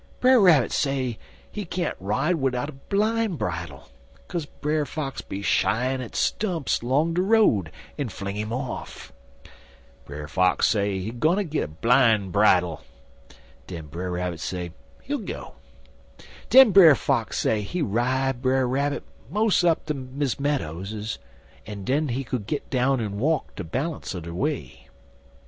Brer Rabbit say he can't ride widout bline bridle, kaze Brer Fox be shyin' at stumps long de road, en fling 'im off. Brer Fox say he git bline bridle. Den Brer Rabbit say he go. Den Brer Fox say he ride Brer Rabbit mos' up ter Miss Meadows's, en den he could git down en walk de balance er de way.